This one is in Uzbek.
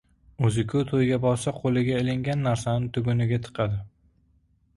— O‘zi-ku to‘yga borsa, qo‘liga ilingan narsani tuguniga tiqadi.